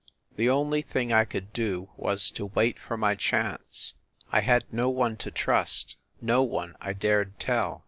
The only thing I could do was to wait for my chance. I had no one to trust, no one I dared tell.